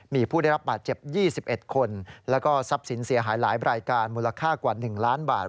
มีผู้ได้รับบาดเจ็บ๒๑คนแล้วก็ทรัพย์สินเสียหายหลายรายการมูลค่ากว่า๑ล้านบาท